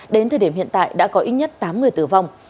đến thời điểm hiện tại đã có ít nhất tám người tử vong